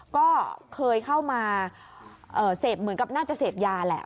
ก็เคยเข้ามาเสพเหมือนกับน่าจะเสพยาแหละ